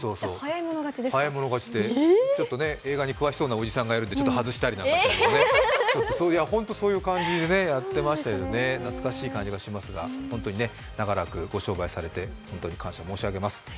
早い者勝ちで、映画に詳しそうなおじさんがいるので、ちょっと外したりして、ほんとそういう感じでやってまして懐かしい感じがしますが、長らくご商売されて本当に感謝申し上げます。